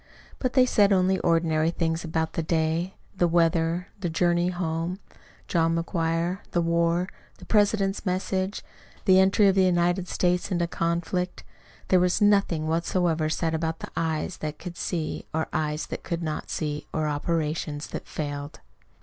But they said only ordinary things about the day, the weather, the journey home, John McGuire, the war, the President's message, the entry of the United States into the conflict. There was nothing whatever said about eyes that could see or eyes that could not see, or operations that failed.